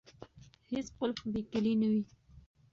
هیڅ قلف بې کیلي نه وي.